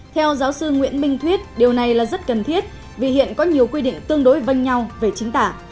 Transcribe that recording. theo giáo sư nguyễn minh thuyết điều này là rất cần thiết vì hiện có nhiều quy định tương đối với nhau về chính tả